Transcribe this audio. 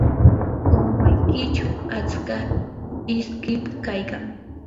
umaykichu atska iskim kaykan.